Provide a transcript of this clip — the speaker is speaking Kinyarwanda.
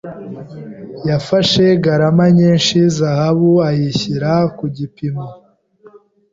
Yafashe garama nyinshi zahabu ayishyira ku gipimo.